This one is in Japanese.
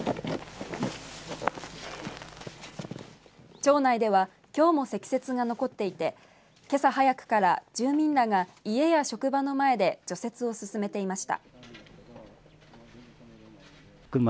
町内ではきょうも積雪が残っていてけさ早くから住民らが家や職場の前で除雪を進めていました。